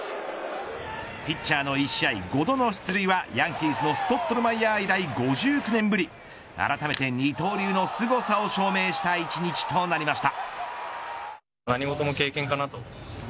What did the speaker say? ピッチャーの１試合５度の出塁はヤンキースのストットルマイヤー以来５９年ぶりあらためて二刀流のすごさを証明した１日となりました。